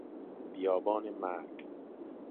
بیابان مرگ